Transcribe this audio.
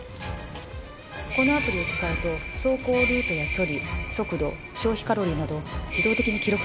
このアプリを使うと走行ルートや距離速度消費カロリーなど自動的に記録されるんです。